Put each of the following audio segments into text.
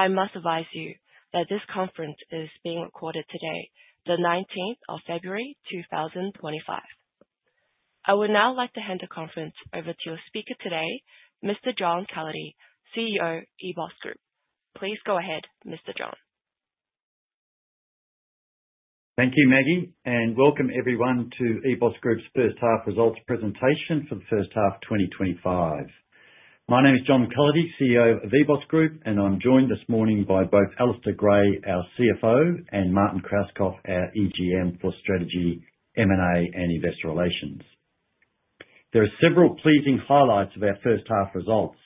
I must advise you that this conference is being recorded today, the 19th of February, 2025. I would now like to hand the conference over to your speaker today, Mr. John Cullity, CEO, EBOS Group. Please go ahead, Mr. John. Thank you, Maggie, and welcome everyone to EBOS Group's first half results presentation for the first half of 2025. My name is John Cullity, CEO of EBOS Group, and I'm joined this morning by both Alistair Gray, our CFO, and Martin Krauskopf, our EGM for Strategy, M&A, and Investor Relations. There are several pleasing highlights of our first half results,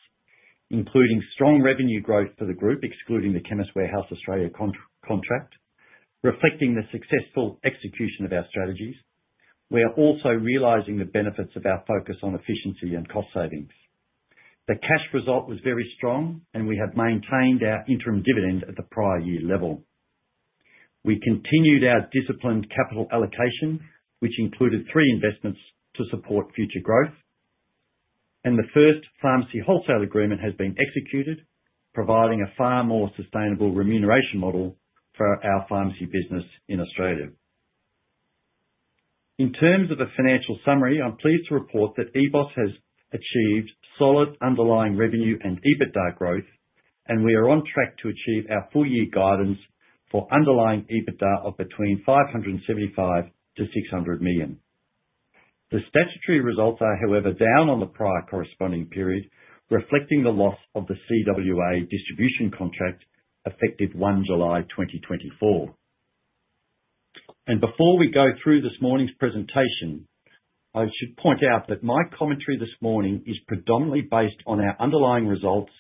including strong revenue growth for the group, excluding the Chemist Warehouse Australia contract, reflecting the successful execution of our strategies. We are also realizing the benefits of our focus on efficiency and cost savings. The cash result was very strong, and we have maintained our interim dividend at the prior year level. We continued our disciplined capital allocation, which included three investments to support future growth, and the first pharmacy wholesale agreement has been executed, providing a far more sustainable remuneration model for our pharmacy business in Australia. In terms of a financial summary, I'm pleased to report that EBOS has achieved solid underlying revenue and EBITDA growth, and we are on track to achieve our full-year guidance for underlying EBITDA of between 575 million to 600 million. The statutory results are, however, down on the prior corresponding period, reflecting the loss of the CWA distribution contract effective 1 July 2024, and before we go through this morning's presentation, I should point out that my commentary this morning is predominantly based on our underlying results,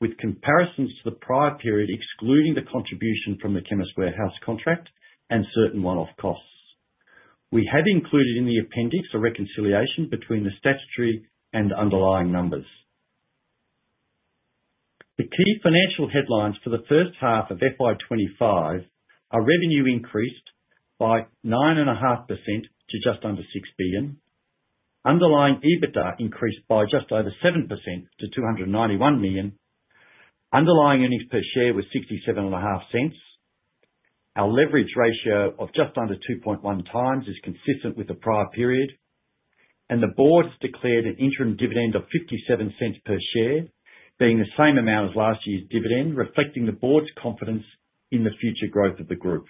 with comparisons to the prior period, excluding the contribution from the Chemist Warehouse contract and certain one-off costs. We have included in the appendix a reconciliation between the statutory and underlying numbers. The key financial headlines for the first half of FY25 are revenue increased by 9.5% to just under 6 billion, underlying EBITDA increased by just over 7% to 291 million, underlying earnings per share was 0.675, our leverage ratio of just under 2.1 times is consistent with the prior period, and the board has declared an interim dividend of 0.57 per share, being the same amount as last year's dividend, reflecting the board's confidence in the future growth of the group.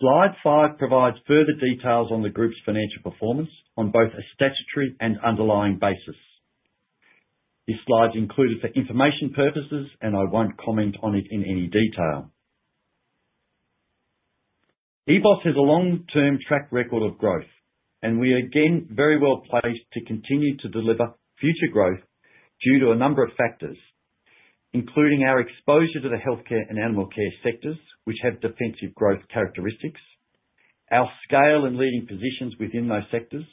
Slide five provides further details on the group's financial performance on both a statutory and underlying basis. These slides are included for information purposes, and I won't comment on it in any detail. EBOS has a long-term track record of growth, and we are again very well placed to continue to deliver future growth due to a number of factors, including our exposure to the healthcare and animal care sectors, which have defensive growth characteristics, our scale and leading positions within those sectors,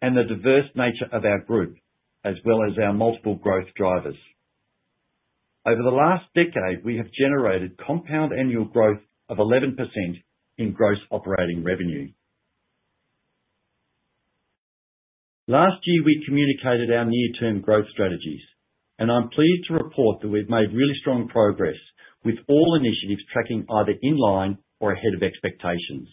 and the diverse nature of our group, as well as our multiple growth drivers. Over the last decade, we have generated compound annual growth of 11% in gross operating revenue. Last year, we communicated our near-term growth strategies, and I'm pleased to report that we've made really strong progress with all initiatives tracking either in line or ahead of expectations.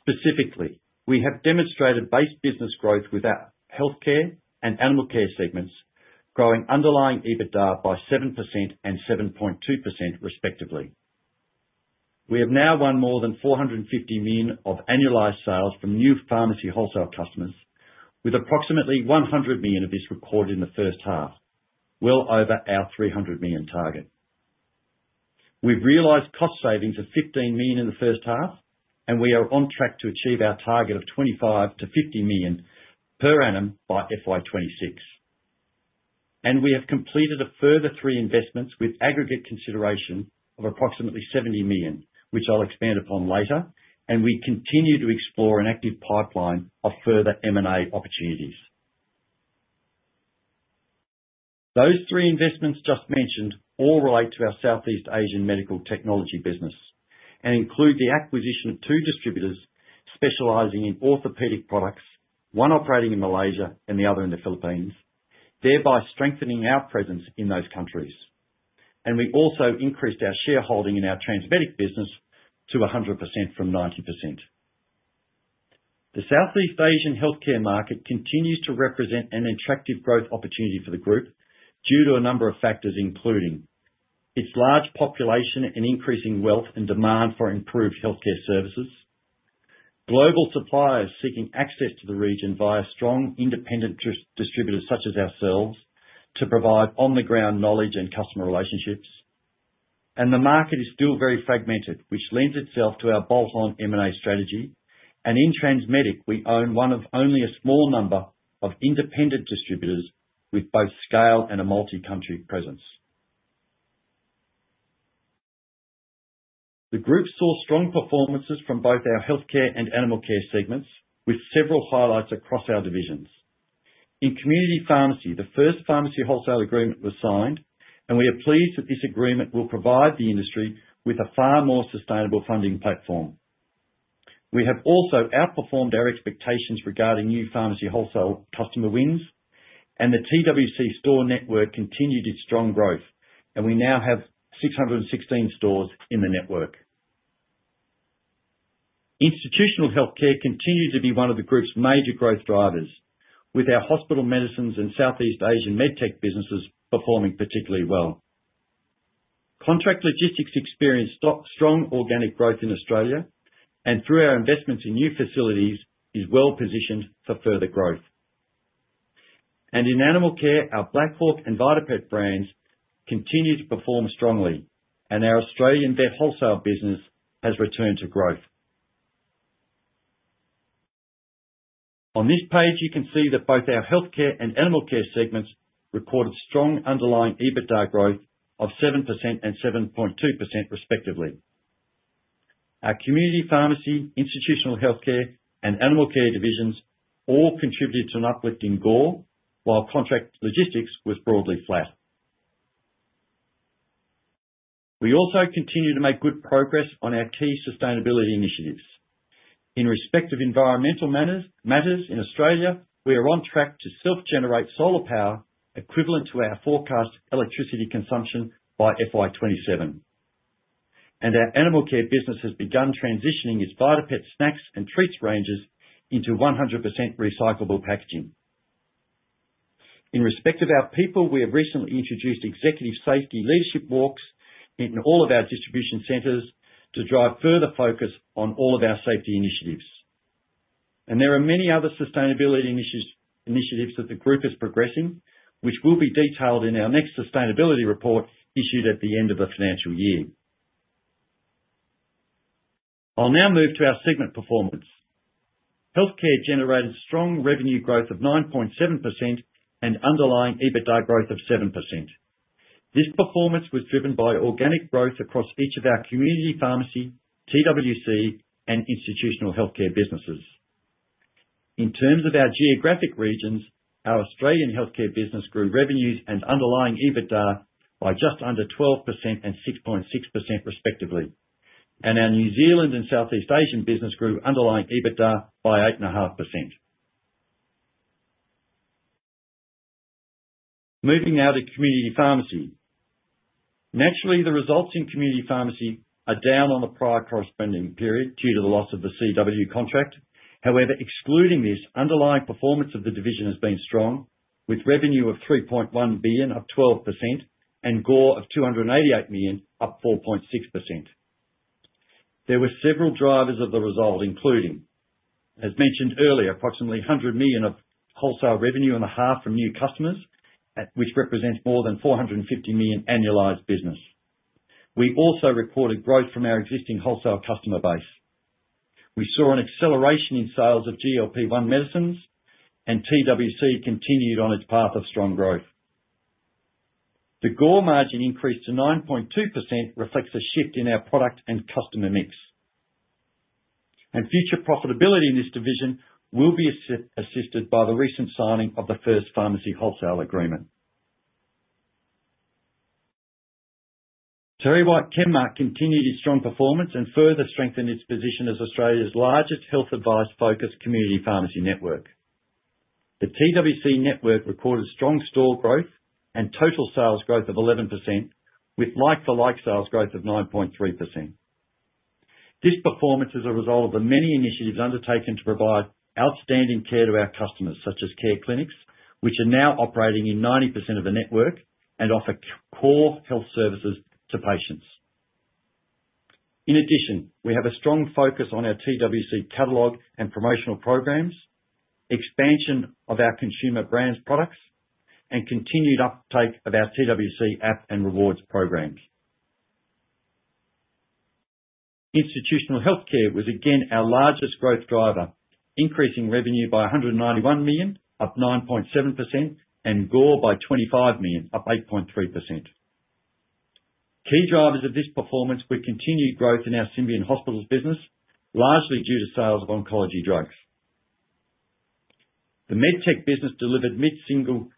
Specifically, we have demonstrated base business growth with our healthcare and animal care segments, growing underlying EBITDA by 7% and 7.2%, respectively. We have now won more than 450 million of annualized sales from new pharmacy wholesale customers, with approximately 100 million of this recorded in the first half, well over our 300 million target. We've realized cost savings of 15 million in the first half, and we are on track to achieve our target of 25 million-50 million per annum by FY26. And we have completed a further three investments with aggregate consideration of approximately 70 million, which I'll expand upon later, and we continue to explore an active pipeline of further M&A opportunities. Those three investments just mentioned all relate to our Southeast Asian medical technology business and include the acquisition of two distributors specializing in orthopedic products, one operating in Malaysia and the other in the Philippines, thereby strengthening our presence in those countries. And we also increased our shareholding in our Transmedic business to 100% from 90%. The Southeast Asian healthcare market continues to represent an attractive growth opportunity for the group due to a number of factors, including its large population and increasing wealth and demand for improved healthcare services, global suppliers seeking access to the region via strong independent distributors such as ourselves to provide on-the-ground knowledge and customer relationships, and the market is still very fragmented, which lends itself to our bolt-on M&A strategy. And in Transmedic, we own one of only a small number of independent distributors with both scale and a multi-country presence. The group saw strong performances from both our healthcare and animal care segments, with several highlights across our divisions. In community pharmacy, the first pharmacy wholesale agreement was signed, and we are pleased that this agreement will provide the industry with a far more sustainable funding platform. We have also outperformed our expectations regarding new pharmacy wholesale customer wins, and the TWC store network continued its strong growth, and we now have 616 stores in the network. Institutional healthcare continued to be one of the group's major growth drivers, with our hospital medicines and Southeast Asian medtech businesses performing particularly well. Contract logistics experienced strong organic growth in Australia, and through our investments in new facilities, is well positioned for further growth. And in animal care, our Black Hawk and VitaPet brands continue to perform strongly, and our Australian vet wholesale business has returned to growth. On this page, you can see that both our healthcare and animal care segments recorded strong underlying EBITDA growth of 7% and 7.2%, respectively. Our community pharmacy, institutional healthcare, and animal care divisions all contributed to an uplift in GOR, while contract logistics was broadly flat. We also continue to make good progress on our key sustainability initiatives. In respect of environmental matters in Australia, we are on track to self-generate solar power equivalent to our forecast electricity consumption by FY27, and our animal care business has begun transitioning its VitaPet snacks and treats ranges into 100% recyclable packaging. In respect of our people, we have recently introduced executive safety leadership walks in all of our distribution centers to drive further focus on all of our safety initiatives. There are many other sustainability initiatives that the group is progressing, which will be detailed in our next sustainability report issued at the end of the financial year. I'll now move to our segment performance. Healthcare generated strong revenue growth of 9.7% and underlying EBITDA growth of 7%. This performance was driven by organic growth across each of our community pharmacy, TWC, and institutional healthcare businesses. In terms of our geographic regions, our Australian healthcare business grew revenues and underlying EBITDA by just under 12% and 6.6%, respectively, and our New Zealand and Southeast Asia business grew underlying EBITDA by 8.5%. Moving now to community pharmacy. Naturally, the results in community pharmacy are down on the prior corresponding period due to the loss of the CW contract. However, excluding this, underlying performance of the division has been strong, with revenue of 3.1 billion up 12% and GOR of 288 million up 4.6%. There were several drivers of the result, including, as mentioned earlier, approximately 100 million of wholesale revenue in the half from new customers, which represents more than 450 million annualized business. We also recorded growth from our existing wholesale customer base. We saw an acceleration in sales of GLP-1 medicines, and TWC continued on its path of strong growth. The GOR margin increased to 9.2%, reflects a shift in our product and customer mix. Future profitability in this division will be assisted by the recent signing of the first pharmacy wholesale agreement. TerryWhite Chemmart continued its strong performance and further strengthened its position as Australia's largest health advice-focused community pharmacy network. The TWC network recorded strong store growth and total sales growth of 11%, with like-for-like sales growth of 9.3%. This performance is a result of the many initiatives undertaken to provide outstanding care to our customers, such as Care Clinics, which are now operating in 90% of the network and offer core health services to patients. In addition, we have a strong focus on our TWC catalog and promotional programs, expansion of our consumer brands products, and continued uptake of our TWC app and rewards programs. Institutional healthcare was again our largest growth driver, increasing revenue by 191 million up 9.7% and GOR by 25 million up 8.3%. Key drivers of this performance were continued growth in our Symbion Hospitals business, largely due to sales of oncology drugs. The medtech business delivered mid-single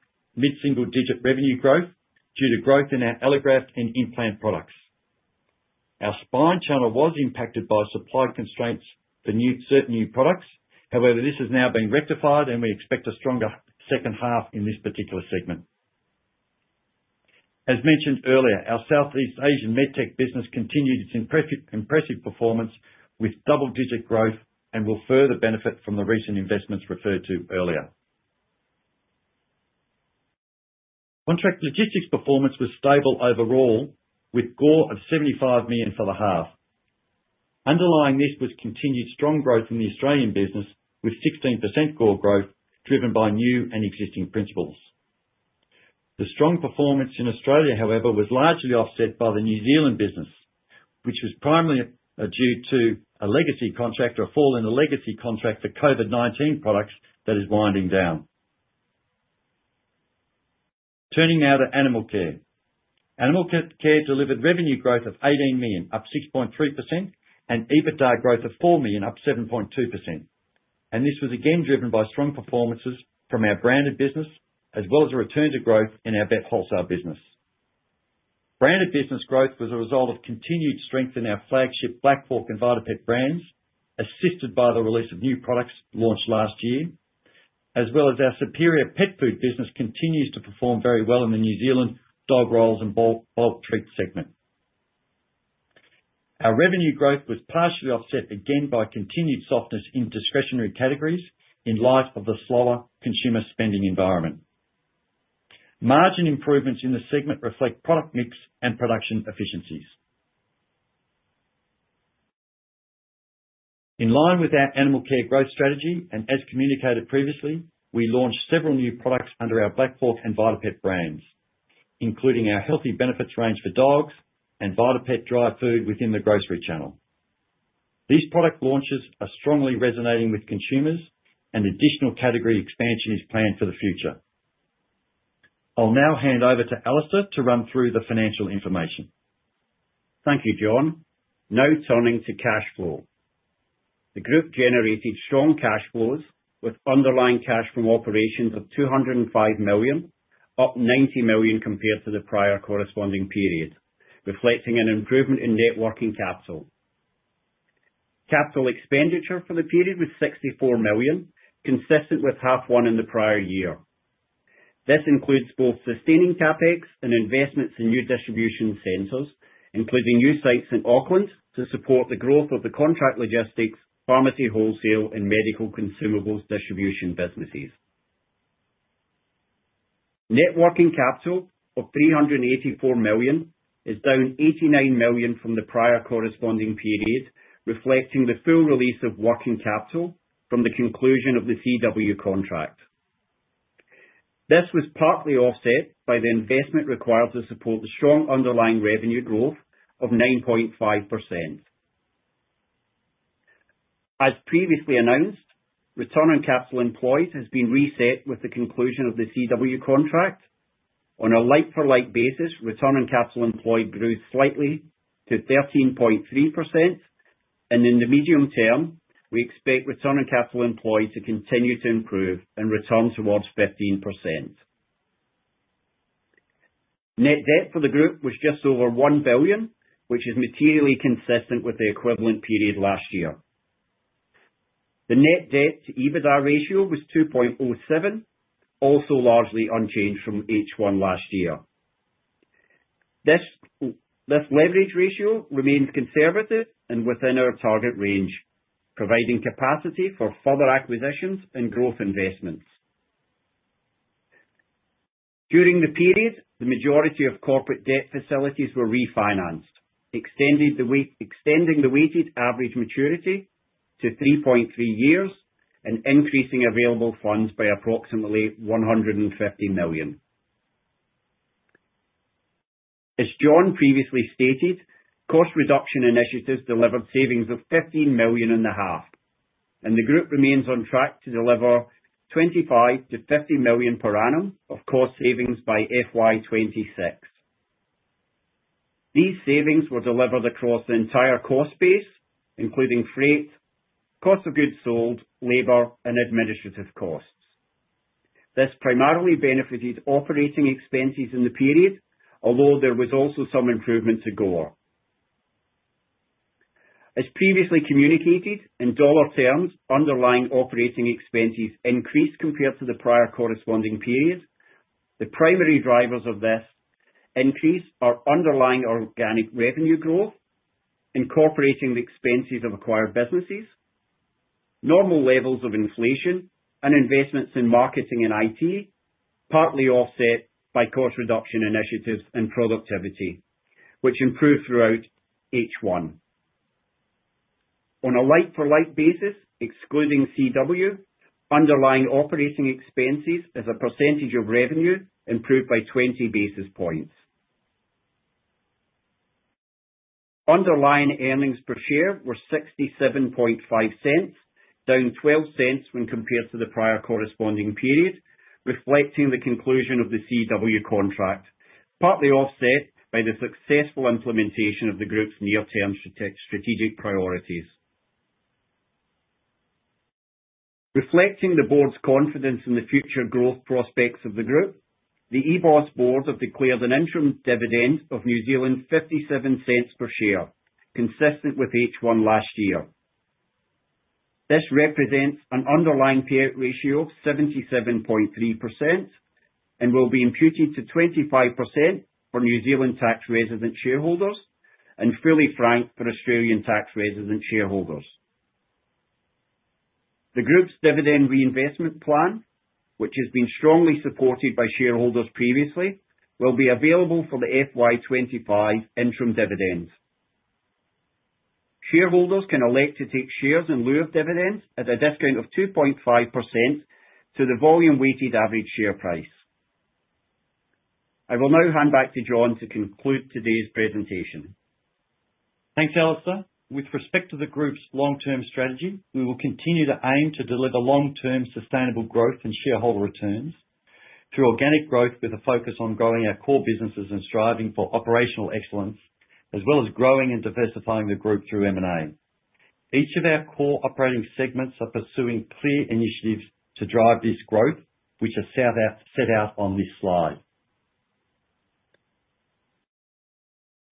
digit revenue growth due to growth in our allograft and implant products. Our spine channel was impacted by supply constraints for certain new products. However, this has now been rectified, and we expect a stronger second half in this particular segment. As mentioned earlier, our Southeast Asian medtech business continued its impressive performance with double-digit growth and will further benefit from the recent investments referred to earlier. Contract logistics performance was stable overall, with GOR of 75 million for the half. Underlying this was continued strong growth in the Australian business, with 16% GOR growth driven by new and existing principals. The strong performance in Australia, however, was largely offset by the New Zealand business, which was primarily due to a legacy contract or a fall in the legacy contract for COVID-19 products that is winding down. Turning now to animal care. Animal care delivered revenue growth of 18 million, up 6.3%, and EBITDA growth of 4 million, up 7.2%, and this was again driven by strong performances from our branded business, as well as a return to growth in our vet wholesale business. Branded business growth was a result of continued strength in our flagship Black Hawk and VitaPet brands, assisted by the release of new products launched last year, as well as our Superior Pet Food business continues to perform very well in the New Zealand dog rolls and bulk treat segment. Our revenue growth was partially offset again by continued softness in discretionary categories in light of the slower consumer spending environment. Margin improvements in the segment reflect product mix and production efficiencies. In line with our animal care growth strategy, and as communicated previously, we launched several new products under our Black Hawk and VitaPet brands, including our Healthy Benefits range for dogs and VitaPet dry food within the grocery channel. These product launches are strongly resonating with consumers, and additional category expansion is planned for the future. I'll now hand over to Alistair to run through the financial information. Thank you, John. Now turning to cash flow. The group generated strong cash flows with underlying cash from operations of 205 million, up 90 million compared to the prior corresponding period, reflecting an improvement in working capital. Capital expenditure for the period was 64 million, consistent with half one in the prior year. This includes both sustaining CapEx and investments in new distribution centers, including new sites in Auckland to support the growth of the contract logistics, pharmacy wholesale, and medical consumables distribution businesses. Net working capital of 384 million is down 89 million from the prior corresponding period, reflecting the full release of working capital from the conclusion of the CW contract. This was partly offset by the investment required to support the strong underlying revenue growth of 9.5%. As previously announced, return on capital employed has been reset with the conclusion of the CW contract. On a like-for-like basis, return on capital employed grew slightly to 13.3%, and in the medium term, we expect return on capital employed to continue to improve and return towards 15%. Net debt for the group was just over 1 billion, which is materially consistent with the equivalent period last year. The net debt-to-EBITDA ratio was 2.07, also largely unchanged from H1 last year. This leverage ratio remains conservative and within our target range, providing capacity for further acquisitions and growth investments. During the period, the majority of corporate debt facilities were refinanced, extending the weighted average maturity to 3.3 years and increasing available funds by approximately 150 million. As John previously stated, cost reduction initiatives delivered savings of 15.5 million, and the group remains on track to deliver 25 million-50 million per annum of cost savings by FY26. These savings were delivered across the entire cost base, including freight, cost of goods sold, labor, and administrative costs. This primarily benefited operating expenses in the period, although there was also some improvement to GOR. As previously communicated, in dollar terms, underlying operating expenses increased compared to the prior corresponding period. The primary drivers of this increase are underlying organic revenue growth, incorporating the expenses of acquired businesses, normal levels of inflation, and investments in marketing and IT, partly offset by cost reduction initiatives and productivity, which improved throughout H1. On a like-for-like basis, excluding CW, underlying operating expenses as a percentage of revenue improved by 20 basis points. Underlying earnings per share were 0.675, down 0.12 when compared to the prior corresponding period, reflecting the conclusion of the CW contract, partly offset by the successful implementation of the group's near-term strategic priorities. Reflecting the board's confidence in the future growth prospects of the group, the EBOS board has declared an interim dividend of 0.57 per share, consistent with H1 last year. This represents an underlying payout ratio of 77.3% and will be imputed to 25% for New Zealand tax resident shareholders and fully franked for Australian tax resident shareholders. The group's dividend reinvestment plan, which has been strongly supported by shareholders previously, will be available for the FY25 interim dividend. Shareholders can elect to take shares in lieu of dividends at a discount of 2.5% to the volume-weighted average share price. I will now hand back to John to conclude today's presentation. Thanks, Alistair. With respect to the group's long-term strategy, we will continue to aim to deliver long-term sustainable growth and shareholder returns through organic growth with a focus on growing our core businesses and striving for operational excellence, as well as growing and diversifying the group through M&A. Each of our core operating segments are pursuing clear initiatives to drive this growth, which are set out on this slide.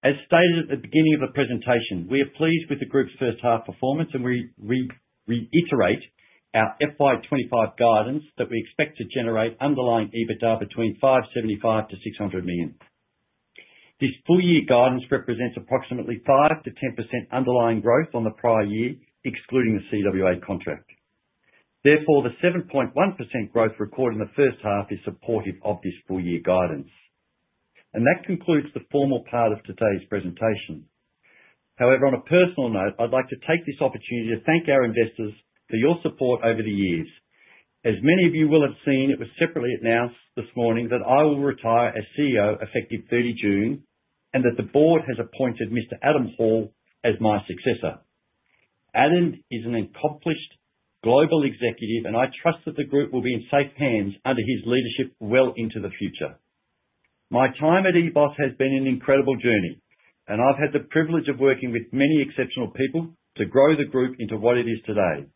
As stated at the beginning of the presentation, we are pleased with the group's first half performance, and we reiterate our FY25 guidance that we expect to generate underlying EBITDA between 575-600 million. This full-year guidance represents approximately 5-10% underlying growth on the prior year, excluding the CWA contract. Therefore, the 7.1% growth recorded in the first half is supportive of this full-year guidance. And that concludes the formal part of today's presentation. However, on a personal note, I'd like to take this opportunity to thank our investors for your support over the years. As many of you will have seen, it was separately announced this morning that I will retire as CEO effective 30 June and that the board has appointed Mr. Adam Hall as my successor. Adam is an accomplished global executive, and I trust that the group will be in safe hands under his leadership well into the future. My time at EBOS has been an incredible journey, and I've had the privilege of working with many exceptional people to grow the group into what it is today.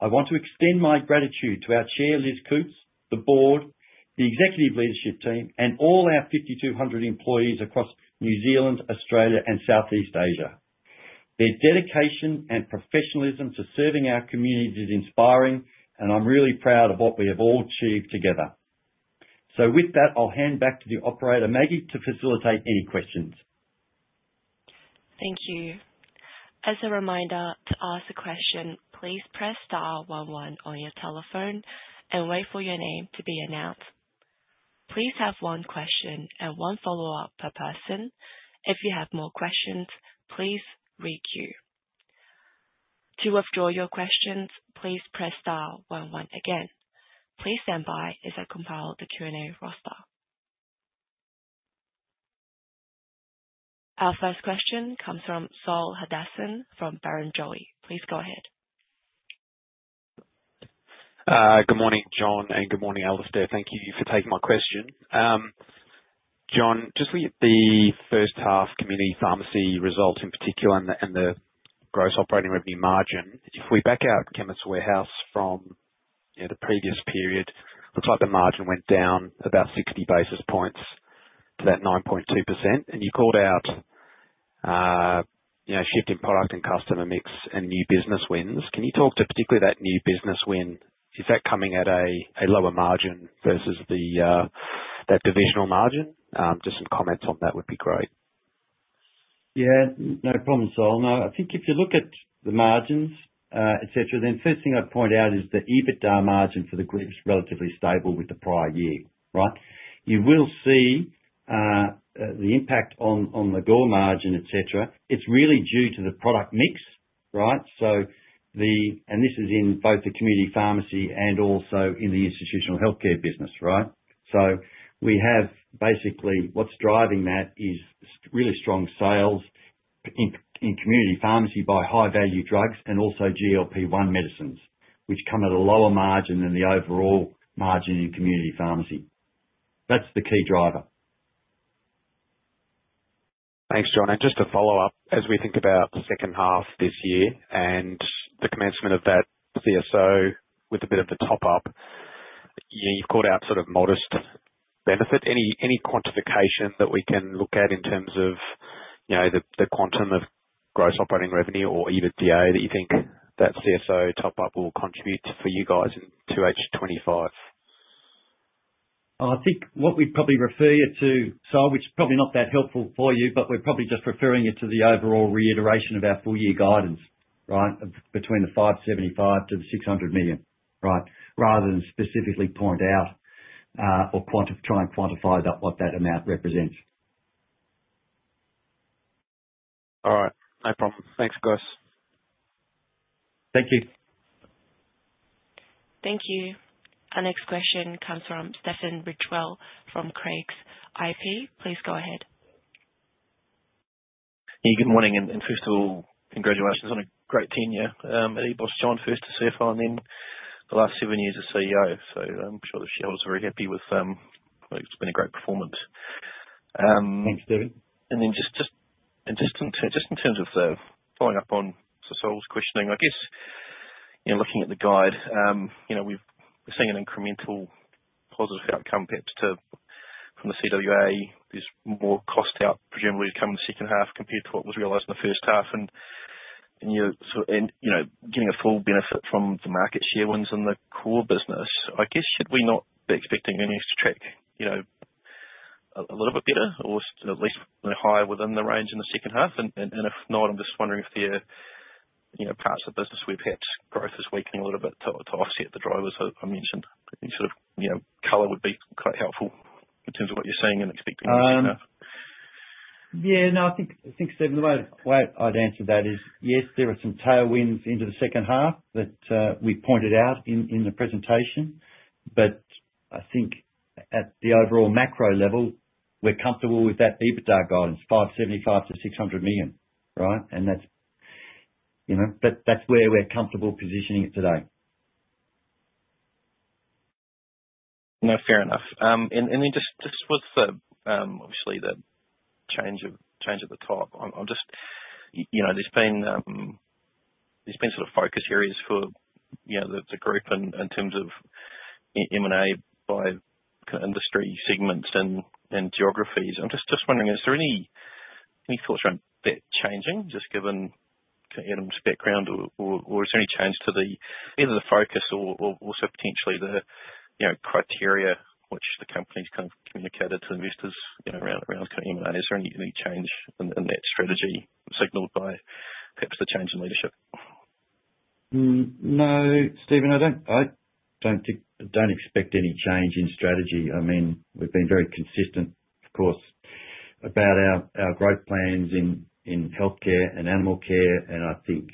I want to extend my gratitude to our Chair, Liz Coutts, the board, the executive leadership team, and all our 5,200 employees across New Zealand, Australia, and Southeast Asia. Their dedication and professionalism to serving our community is inspiring, and I'm really proud of what we have all achieved together. So with that, I'll hand back to the operator, Maggie, to facilitate any questions. Thank you. As a reminder to ask a question, please press star 11 on your telephone and wait for your name to be announced. Please have one question and one follow-up per person. If you have more questions, please re-queue. To withdraw your questions, please press star 11 again. Please stand by as I compile the Q&A roster. Our first question comes from Saul Hadassin from Barrenjoey. Please go ahead. Good morning, John, and good morning, Alistair. Thank you for taking my question. John, just with the first half community pharmacy results in particular and the gross operating revenue margin, if we back out Chemist Warehouse from the previous period, it looks like the margin went down about 60 basis points to that 9.2%. And you called out shift in product and customer mix and new business wins. Can you talk to particularly that new business win? Is that coming at a lower margin versus that divisional margin? Just some comments on that would be great. Yeah, no problem, Saul. I think if you look at the margins, etc., then first thing I'd point out is the EBITDA margin for the group is relatively stable with the prior year, right? You will see the impact on the GOR margin, etc. It's really due to the product mix, right? And this is in both the community pharmacy and also in the institutional healthcare business, right? So we have basically what's driving that is really strong sales in community pharmacy by high-value drugs and also GLP-1 medicines, which come at a lower margin than the overall margin in community pharmacy. That's the key driver. Thanks, John. And just to follow up, as we think about the second half this year and the commencement of that CSO with a bit of a top-up, you've called out sort of modest benefit. Any quantification that we can look at in terms of the quantum of gross operating revenue or EBITDA that you think that CSO top-up will contribute for you guys into H25? I think what we'd probably refer you to, Saul, which is probably not that helpful for you, but we're probably just referring you to the overall reiteration of our full-year guidance, right, between 575 million and 600 million, right, rather than specifically point out or try and quantify what that amount represents. All right. No problem. Thanks, guys. Thank you. Thank you. Our next question comes from Stephen Ridgewell from Craigs Investment Partners. Please go ahead. Good morning, and first of all, congratulations on a great tenure at EBOS. John, first as CFO and then the last seven years as CEO. So I'm sure the shareholders are very happy with it's been a great performance. Thanks, David. And then just in terms of following up on Saul's questioning, I guess looking at the guide, we're seeing an incremental positive outcome from the CWA. There's more cost out, presumably, coming in the second half compared to what was realized in the first half. And getting a full benefit from the market share wins and the core business, I guess should we not be expecting things to track a little bit better or at least higher within the range in the second half? And if not, I'm just wondering if there are parts of the business where perhaps growth is weakening a little bit to offset the drivers I mentioned. Sort of color would be quite helpful in terms of what you're seeing and expecting in the second half. Yeah, no, I think Stephen, the way I'd answer that is yes, there were some tailwinds into the second half that we pointed out in the presentation. But I think at the overall macro level, we're comfortable with that EBITDA guidance, 575 million-600 million, right? And that's where we're comfortable positioning it today. No, fair enough. And then just with, obviously, the change at the top, there's been sort of focus areas for the group in terms of M&A by kind of industry segments and geographies. I'm just wondering, is there any thoughts around that changing, just given Adam's background, or is there any change to either the focus or also potentially the criteria which the company's kind of communicated to investors around kind of M&As? Is there any change in that strategy signaled by perhaps the change in leadership? No, Stephen, I don't expect any change in strategy. I mean, we've been very consistent, of course, about our growth plans in healthcare and animal care, and I think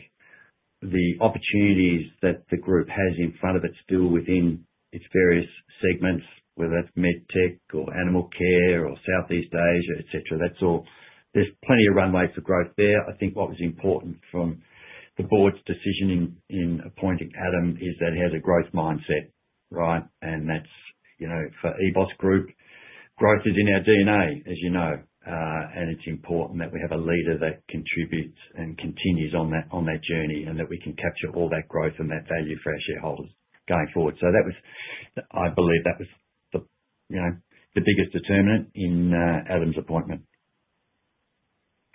the opportunities that the group has in front of it still within its various segments, whether that's med tech or animal care or Southeast Asia, etc., there's plenty of runway for growth there. I think what was important from the board's decision in appointing Adam is that he has a growth mindset, right, and for EBOS Group, growth is in our DNA, as you know, and it's important that we have a leader that contributes and continues on that journey and that we can capture all that growth and that value for our shareholders going forward, so I believe that was the biggest determinant in Adam's appointment,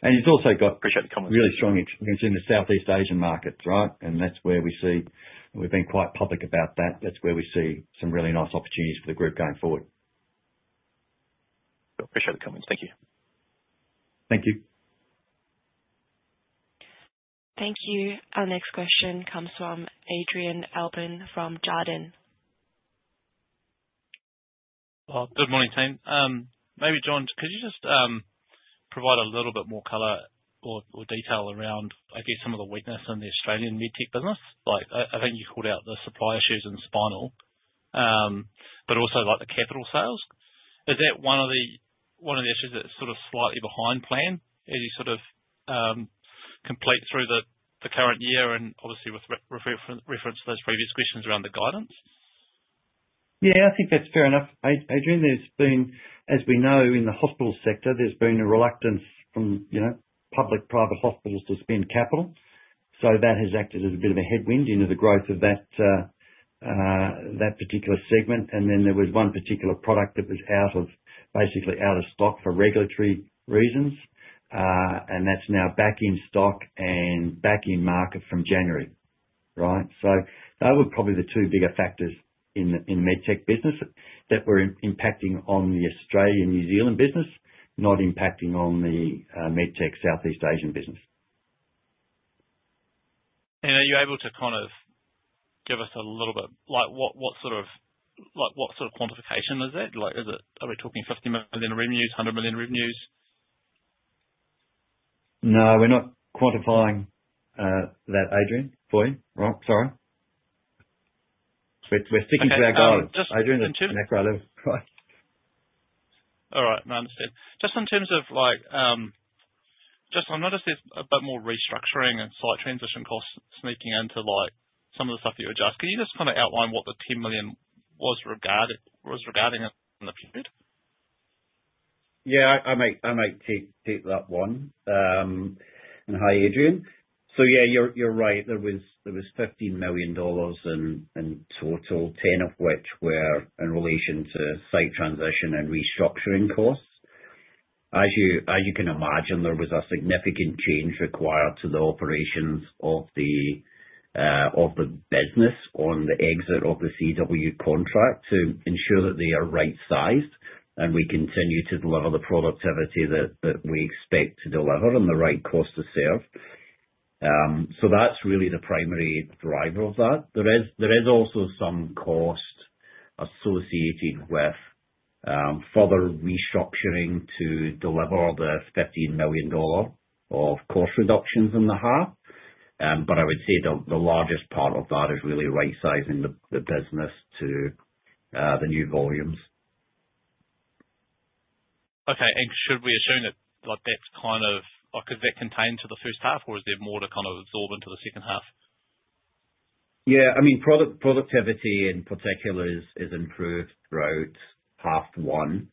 and he's also got really strong experience in the Southeast Asian markets, right? And that's where we see we've been quite public about that. That's where we see some really nice opportunities for the group going forward. Appreciate the comments. Thank you. Thank you. Thank you. Our next question comes from Adrian Allbon from Jarden. Good morning, team. Maybe John, could you just provide a little bit more color or detail around, I guess, some of the weakness in the Australian med tech business? I think you called out the supply issues in spinal, but also the capital sales. Is that one of the issues that's sort of slightly behind plan as you sort of complete through the current year and obviously with reference to those previous questions around the guidance? Yeah, I think that's fair enough. Adrian, as we know, in the hospital sector, there's been a reluctance from public-private hospitals to spend capital. That has acted as a bit of a headwind into the growth of that particular segment. And then there was one particular product that was basically out of stock for regulatory reasons, and that's now back in stock and back in market from January, right? So those were probably the two bigger factors in the med tech business that were impacting on the Australia-New Zealand business, not impacting on the med tech Southeast Asian business. And are you able to kind of give us a little bit what sort of quantification is that? Are we talking 50 million in revenues, 100 million revenues? No, we're not quantifying that, Adrian, for you, right? Sorry. We're sticking to our goals, Adrian. That's right. All right. No, I understand. Just in terms of just, I noticed there's a bit more restructuring and site transition costs sneaking into some of the stuff you adjust. Can you just kind of outline what the 10 million was regarding in the period? Yeah, I may take that one and hi, Adrian. So yeah, you're right. There was 15 million dollars in total, 10 of which were in relation to site transition and restructuring costs. As you can imagine, there was a significant change required to the operations of the business on the exit of the CW contract to ensure that they are right-sized and we continue to deliver the productivity that we expect to deliver and the right cost to serve. That's really the primary driver of that. There is also some cost associated with further restructuring to deliver the 15 million dollar of cost reductions in the half. But I would say the largest part of that is really right-sizing the business to the new volumes. Okay. And should we assume that that's kind of could that contain to the first half, or is there more to kind of absorb into the second half? Yeah. I mean, productivity in particular has improved throughout half one.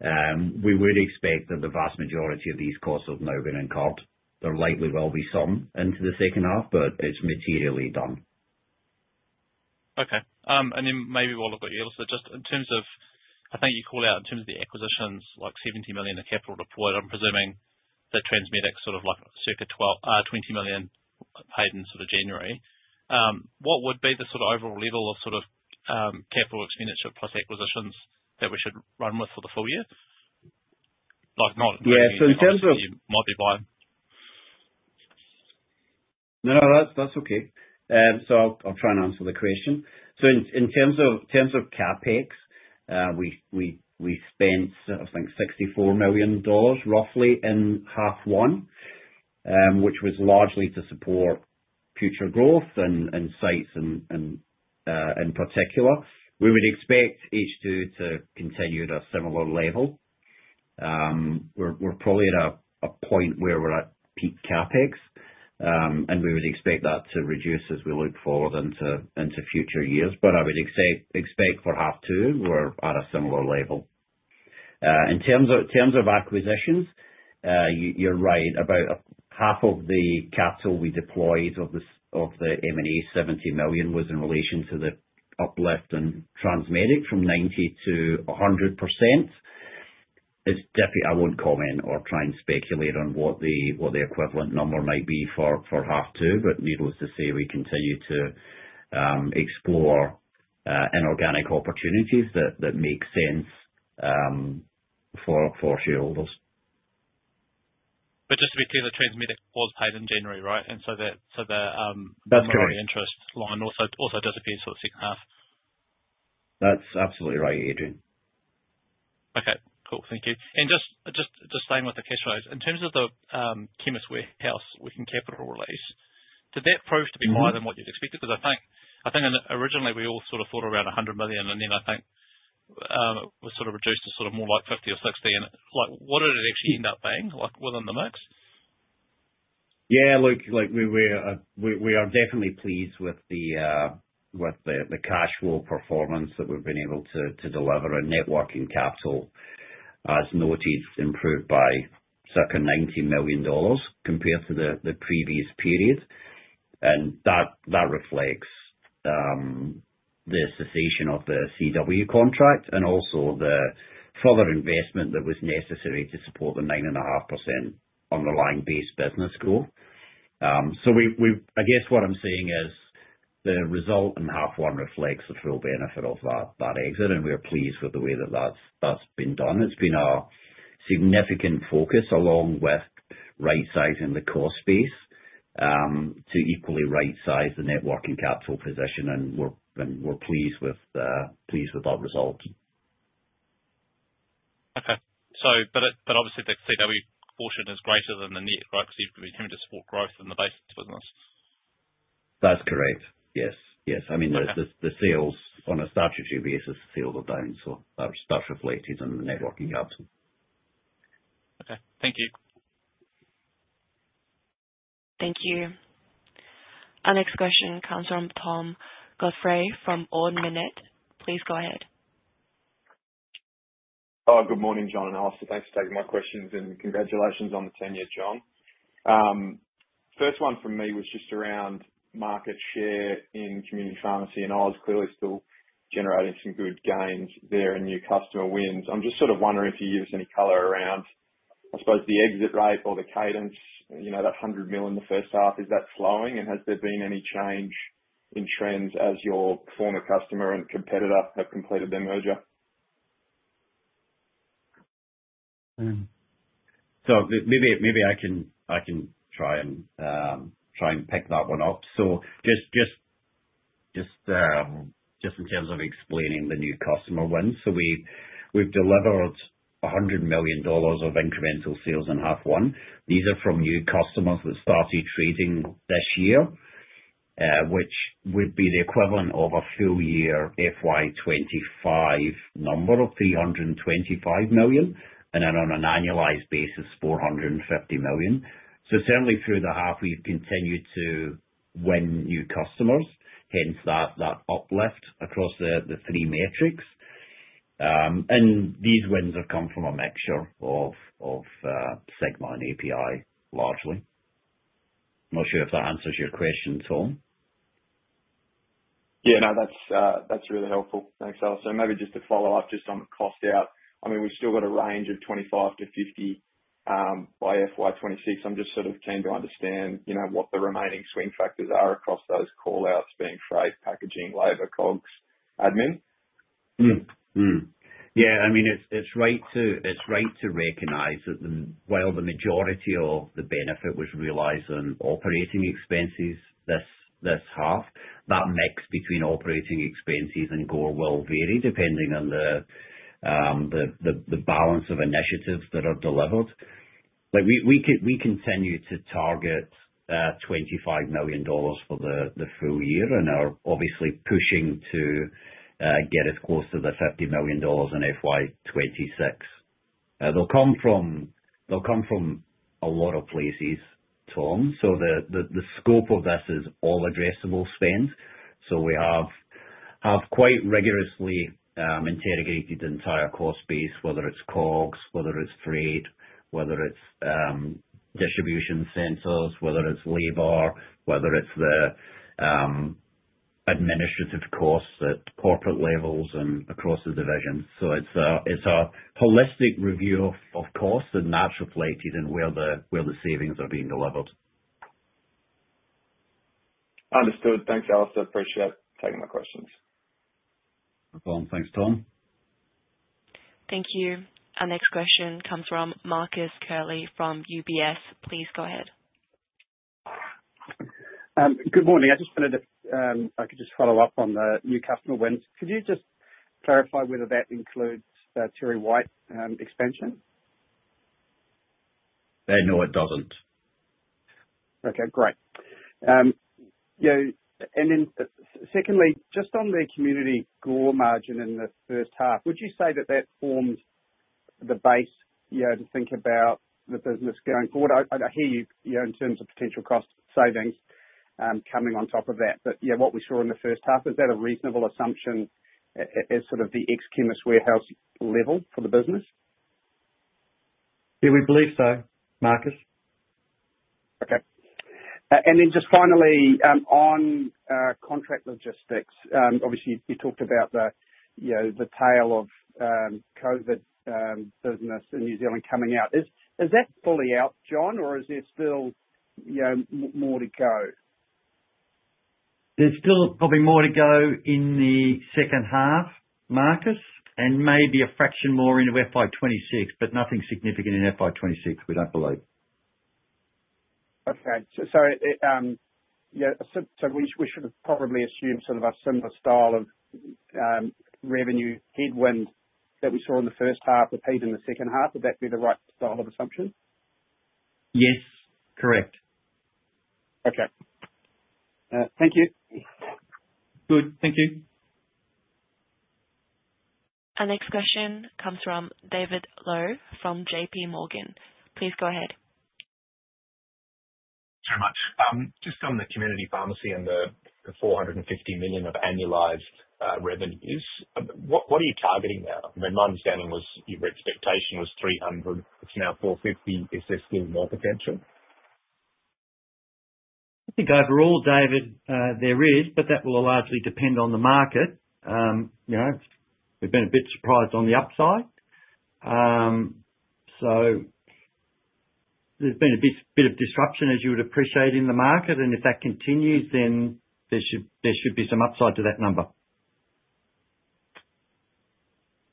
We would expect that the vast majority of these costs have now been incurred. There likely will be some into the second half, but it's materially done. Okay. And then maybe we'll look at your list. Just in terms of I think you called out in terms of the acquisitions, like 70 million in capital deployed. I'm presuming the Transmedic sort of circa 20 million paid in sort of January. What would be the sort of overall level of sort of capital expenditure plus acquisitions that we should run with for the full year? Not in terms of what you might be buying. No, no, that's okay. So I'll try and answer the question. So in terms of CapEx, we spent, I think, 64 million dollars roughly in half one, which was largely to support future growth and sites in particular. We would expect H2 to continue at a similar level. We're probably at a point where we're at peak CapEx, and we would expect that to reduce as we look forward into future years. But I would expect for half two, we're at a similar level. In terms of acquisitions, you're right. About half of the capital we deployed of the M&A 70 million was in relation to the uplift in Transmedic from 90% to 100%. I won't comment or try and speculate on what the equivalent number might be for half two, but needless to say, we continue to explore inorganic opportunities that make sense for shareholders. But just to be clear, the Transmedic was paid in January, right? And so the primary interest line also disappears for the second half. That's absolutely right, Adrian. Okay. Cool. Thank you. And just staying with the cash flows, in terms of the Chemist Warehouse working capital release, did that prove to be higher than what you'd expected? Because I think originally we all sort of thought around 100 million, and then I think it was sort of reduced to sort of more like 50 million or 60 million. And what did it actually end up being within the mix? Yeah. Look, we are definitely pleased with the cash flow performance that we've been able to deliver and net working capital has notably improved by circa 90 million dollars compared to the previous period. And that reflects the cessation of the CW contract and also the further investment that was necessary to support the 9.5% underlying base business growth. So I guess what I'm saying is the result in half one reflects the full benefit of that exit, and we're pleased with the way that that's been done. It's been a significant focus along with right-sizing the cost base to equally right-size the net working capital position, and we're pleased with that result. Okay. But obviously, the CW portion is greater than the net, right? Because you've been able to support growth in the base business. That's correct. Yes. Yes. I mean, the sales on a statutory basis, the sales are down, so that's reflected in the net working capital. Okay. Thank you. Thank you. Our next question comes from Tom Godfrey from Ord Minnett. Please go ahead. Good morning, John and Alistair. Thanks for taking my questions and congratulations on the tenure, John. First one from me was just around market share in community pharmacy, and I was clearly still generating some good gains there and new customer wins. I'm just sort of wondering if you give us any color around, I suppose, the exit rate or the cadence, that 100 million in the first half. Is that slowing, and has there been any change in trends as your former customer and competitor have completed their merger? So maybe I can try and pick that one up. So just in terms of explaining the new customer wins, so we've delivered 100 million dollars of incremental sales in half one. These are from new customers that started trading this year, which would be the equivalent of a full year FY25 number of 325 million, and then on an annualized basis, 450 million. So certainly through the half, we've continued to win new customers, hence that uplift across the three metrics. And these wins have come from a mixture of Sigma and API, largely. Not sure if that answers your question, Tom. Yeah, no, that's really helpful. Thanks, Alistair. Maybe just to follow up just on cost out, I mean, we've still got a range of 25 to 50 by FY26. I'm just sort of keen to understand what the remaining swing factors are across those callouts being freight, packaging, labor, cogs, admin. Yeah. I mean, it's right to recognize that while the majority of the benefit was realized on operating expenses this half, that mix between operating expenses and GOR will vary depending on the balance of initiatives that are delivered. We continue to target 25 million dollars for the full year and are obviously pushing to get as close to the 50 million dollars in FY26. They'll come from a lot of places, Tom. So the scope of this is all addressable spend. So we have quite rigorously interrogated the entire cost base, whether it's cogs, whether it's freight, whether it's distribution centers, whether it's labor, whether it's the administrative costs at corporate levels and across the division. So it's a holistic review of costs and that's reflected in where the savings are being delivered. Understood. Thanks, Alistair. Appreciate taking my questions. No problem. Thanks, Tom. Thank you. Our next question comes from Marcus Curley from UBS. Please go ahead. Good morning. I just wanted to I could just follow up on the new customer wins. Could you just clarify whether that includes TerryWhite expansion? No, it doesn't. Okay. Great. And then secondly, just on the community GOR margin in the first half, would you say that that forms the base to think about the business going forward? I hear you in terms of potential cost savings coming on top of that, but what we saw in the first half, is that a reasonable assumption at sort of the ex-Chemist Warehouse level for the business? Yeah, we believe so, Marcus. Okay. And then just finally, on contract logistics, obviously, you talked about the tail of COVID business in New Zealand coming out. Is that fully out, John, or is there still more to go? There's still probably more to go in the second half, Marcus, and maybe a fraction more into FY26, but nothing significant in FY26, we don't believe. Okay. So we should have probably assumed sort of a similar style of revenue headwind that we saw in the first half, repeated in the second half. Would that be the right style of assumption? Yes. Correct. Okay. Thank you. Good. Thank you. Our next question comes from David Low from J.P. Morgan. Please go ahead. Thanks very much. Just on the community pharmacy and the 450 million of annualized revenues, what are you targeting now? I mean, my understanding was your expectation was 300 million. It's now 450 million. Is there still more potential? I think overall, David, there is, but that will largely depend on the market. We've been a bit surprised on the upside. So there's been a bit of disruption, as you would appreciate, in the market, and if that continues, then there should be some upside to that number.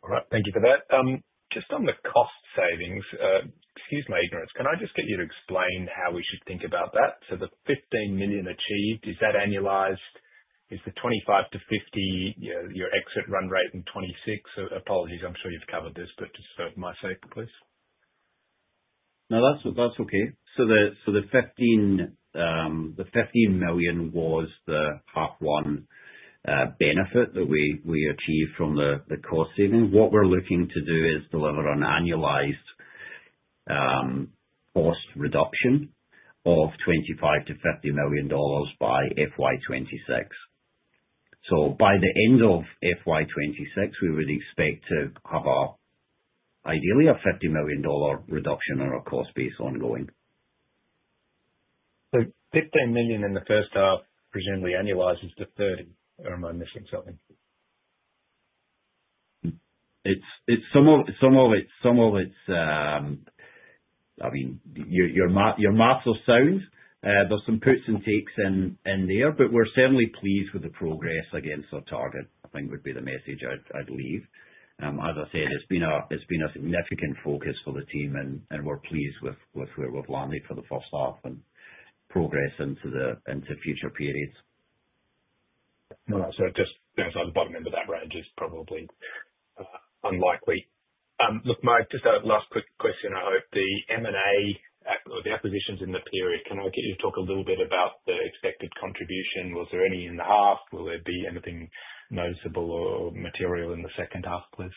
All right. Thank you for that. Just on the cost savings, excuse my ignorance, can I just get you to explain how we should think about that? So the 15 million achieved, is that annualized? Is the 25-50 your exit run rate in 2026? Apologies, I'm sure you've covered this, but just for my sake, please. No, that's okay. So the 15 million was the half one benefit that we achieved from the cost savings. What we're looking to do is deliver an annualized cost reduction of 25-50 million dollars by FY 2026. So by the end of FY 2026, we would expect to have ideally an 50 million dollar reduction on our cost base ongoing. 15 million in the first half, presumably annualized is 30. Am I missing something? It's some of it. Some of it's, I mean, your math will sound. There's some puts and takes in there, but we're certainly pleased with the progress against our target, I think would be the message, I believe. As I said, it's been a significant focus for the team, and we're pleased with where we've landed for the first half and progress into future periods. No, that's right. On the downside, the bottom end of that range is probably unlikely. Look, Mark, just a last quick question, I hope. The M&A or the acquisitions in the period, can I get you to talk a little bit about the expected contribution? Was there any in the half? Will there be anything noticeable or material in the second half, please?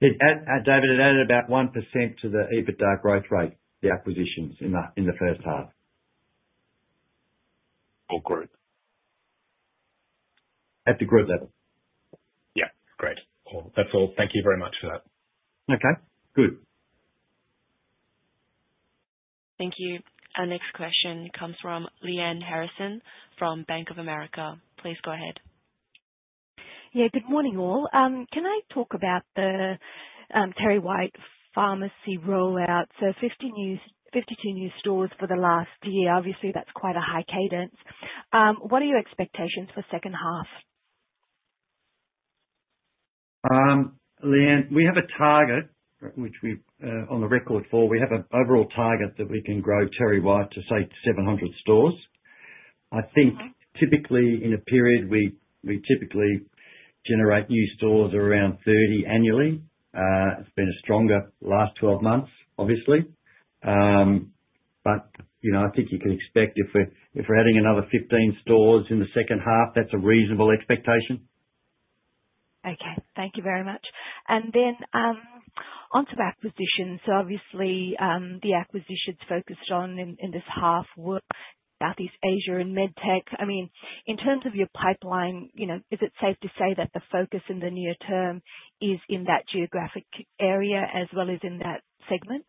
David, it added about 1% to the EBITDA growth rate, the acquisitions in the first half. Or group? At the group level. Yeah. Great. That's all. Thank you very much for that. Okay. Good. Thank you. Our next question comes from Lyanne Harrison from Bank of America. Please go ahead. Yeah. Good morning, all. Can I talk about the TerryWhite pharmacy rollout? So 52 new stores for the last year. Obviously, that's quite a high cadence. What are your expectations for second half? Lyanne, we have a target which we're on the record for. We have an overall target that we can grow TerryWhite to, say, 700 stores. I think typically in a period, we typically generate new stores around 30 annually. It's been a stronger last 12 months, obviously. But I think you can expect if we're adding another 15 stores in the second half, that's a reasonable expectation. Okay. Thank you very much. And then onto acquisitions. So obviously, the acquisitions focused on in this half were Southeast Asia and med tech. I mean, in terms of your pipeline, is it safe to say that the focus in the near term is in that geographic area as well as in that segment?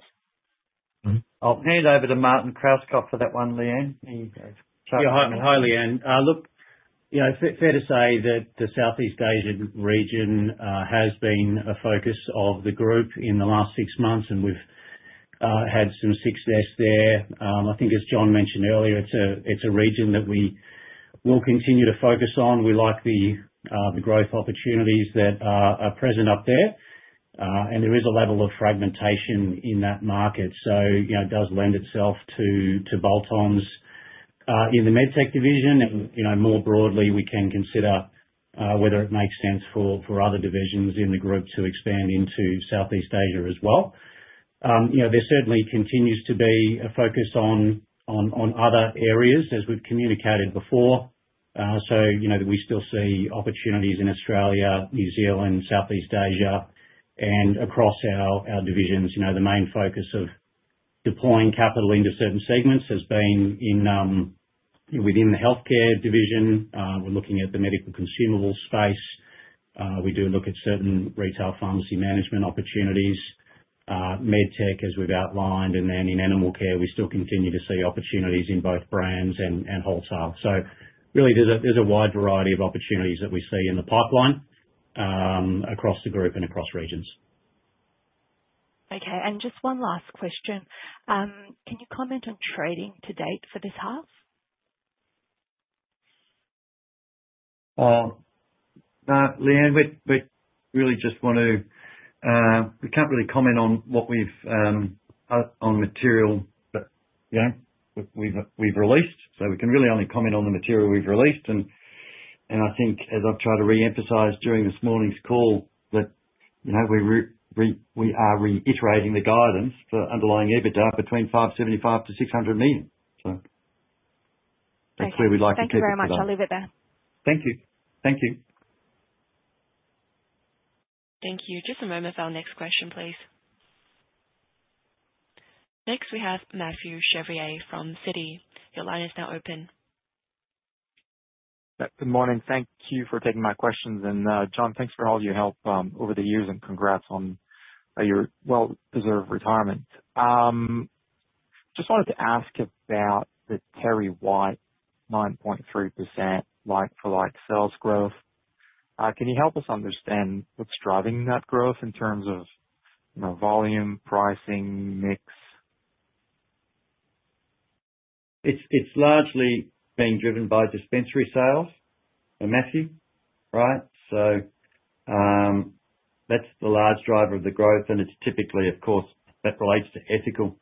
I'll hand over to Martin Krauskopf for that one, Lyanne. Here you go. Hi, Lyanne. Look, fair to say that the Southeast Asia region has been a focus of the group in the last six months, and we've had some success there. I think, as John mentioned earlier, it's a region that we will continue to focus on. We like the growth opportunities that are present up there. There is a level of fragmentation in that market, so it does lend itself to bolt-ons in the med tech division. More broadly, we can consider whether it makes sense for other divisions in the group to expand into Southeast Asia as well. There certainly continues to be a focus on other areas, as we've communicated before. We still see opportunities in Australia, New Zealand, Southeast Asia, and across our divisions. The main focus of deploying capital into certain segments has been within the healthcare division. We're looking at the medical consumables space. We do look at certain retail pharmacy management opportunities, med tech, as we've outlined. In animal care, we still continue to see opportunities in both brands and wholesale. Really, there's a wide variety of opportunities that we see in the pipeline across the group and across regions. Okay. And just one last question. Can you comment on trading to date for this half? Lyanne, we really just want to. We can't really comment on what we have on material that we've released. So we can really only comment on the material we've released. And I think, as I've tried to reemphasize during this morning's call, that we are reiterating the guidance for underlying EBITDA between 575 million and 600 million. So that's where we'd like to keep it. Thank you very much. I'll leave it there. Thank you. Thank you. Just a moment for our next question, please. Next, we have Mathieu Chevrier from Citi. Your line is now open. Good morning. Thank you for taking my questions. And John, thanks for all your help over the years and congrats on your well-deserved retirement. Just wanted to ask about the TerryWhite 9.3% like-for-like sales growth. Can you help us understand what's driving that growth in terms of volume, pricing, mix? It's largely being driven by dispensary sales, Mathieu, right? So that's the large driver of the growth. And it's typically, of course, that relates to ethical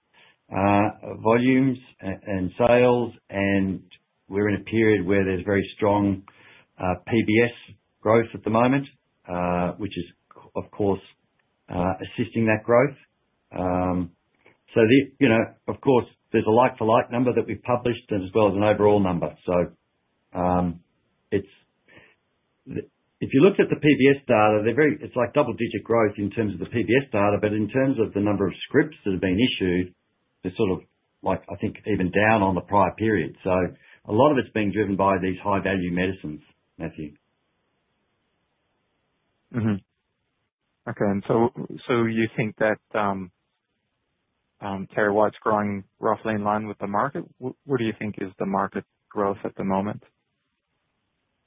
volumes and sales. And we're in a period where there's very strong PBS growth at the moment, which is, of course, assisting that growth. So of course, there's a like-for-like number that we've published as well as an overall number. So if you looked at the PBS data, it's like double-digit growth in terms of the PBS data. But in terms of the number of scripts that have been issued, they're sort of, I think, even down on the prior period. So a lot of it's being driven by these high-value medicines, Mathieu. Okay. And so you think that TerryWhite's growing roughly in line with the market? What do you think is the market growth at the moment?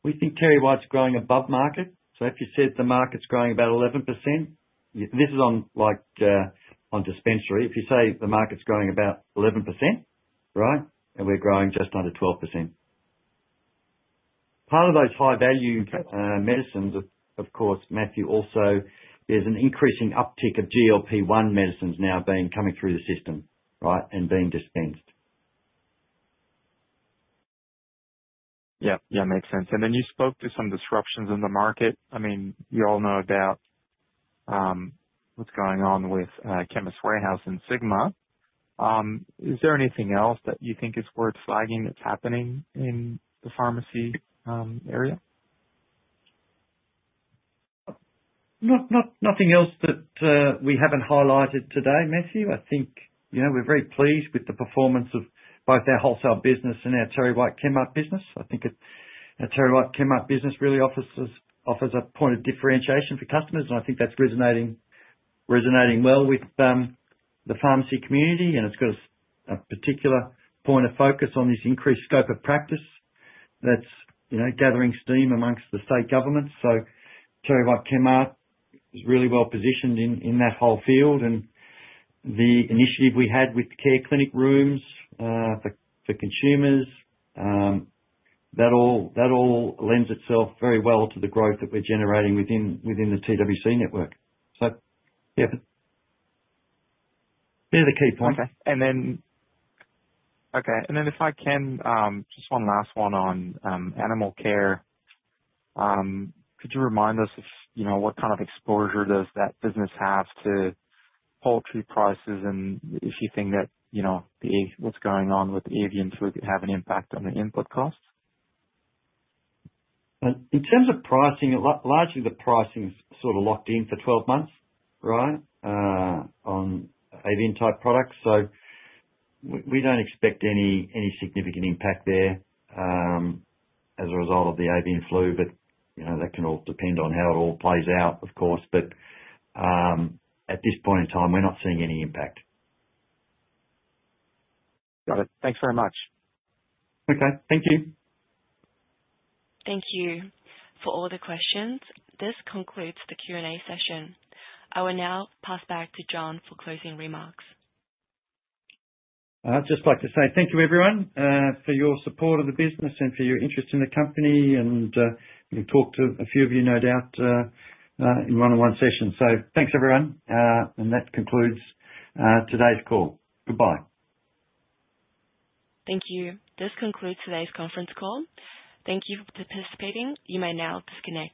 We think TerryWhite's growing above market. So if you said the market's growing about 11%, this is on dispensary. If you say the market's growing about 11%, right, and we're growing just under 12%. Part of those high-value medicines, of course, Mathieu, also there's an increasing uptick of GLP-1 medicines now coming through the system, right, and being dispensed. Yeah. Yeah. Makes sense. And then you spoke to some disruptions in the market. I mean, you all know about what's going on with Chemist Warehouse and Sigma. Is there anything else that you think is worth flagging that's happening in the pharmacy area? Nothing else that we haven't highlighted today, Mathieu. I think we're very pleased with the performance of both our wholesale business and our TerryWhite Chemmart business. I think our TerryWhite Chemmart business really offers a point of differentiation for customers, and I think that's resonating well with the pharmacy community. And it's got a particular point of focus on this increased scope of practice that's gathering steam among the state governments, so TerryWhite Chemmart is really well positioned in that whole field, and the initiative we had with Care Clinics for consumers, that all lends itself very well to the growth that we're generating within the TWC network, so yeah, they're the key points. Okay, and then if I can, just one last one on animal care. Could you remind us of what kind of exposure does that business have to poultry prices? And if you think that what's going on with avian flu could have an impact on the input costs? In terms of pricing, largely the pricing's sort of locked in for 12 months, right, on avian-type products. So we don't expect any significant impact there as a result of the avian flu, but that can all depend on how it all plays out, of course. But at this point in time, we're not seeing any impact. Got it. Thanks very much. Okay. Thank you. Thank you for all the questions. This concludes the Q&A session. I will now pass back to John for closing remarks. I'd just like to say thank you, everyone, for your support of the business and for your interest in the company. And we've talked to a few of you, no doubt, in one-on-one sessions. So thanks, everyone. And that concludes today's call. Goodbye. Thank you. This concludes today's conference call. Thank you for participating. You may now disconnect.